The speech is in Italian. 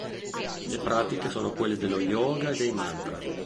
Le pratiche sono quelle dello yoga e dei mantra.